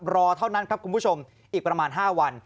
รอเท่านั้นครับคุณผู้ชมอีกประมาณ๕วัน